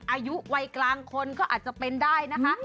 อายุวัยกลางคนก็อาจจะเป็นได้นะคะ